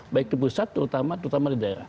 baik di pusat terutama terutama di daerah